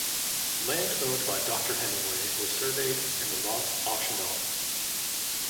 Land owned by Doctor Hemingway was surveyed and the lots auctioned off.